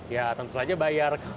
ya tentu saja bayar